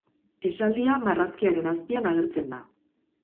Esaldia marrazkiaren azpian agertzen da.